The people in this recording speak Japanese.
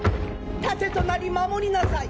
盾となり守りなさい